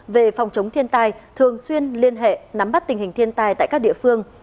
về phòng chống thiên tai thường xuyên liên hệ nắm bắt tình hình thiên tài tại các địa phương